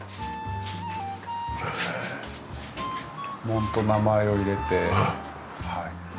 紋と名前を入れてはい。